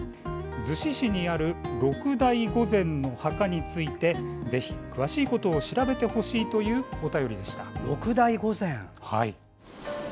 逗子市にある六代御前の墓についてぜひ、詳しいことを調べてほしいというお便りでした。